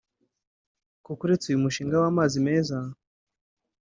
kuko uretse uyu mushinga w’amazi meza